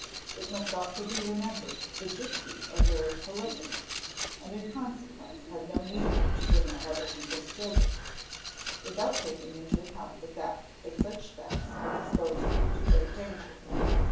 It must also be remembered that gipsies are very prolific and in consequence have no need to bring up — other people's children—without taking into account the fact that such thefts would expose them to great danger.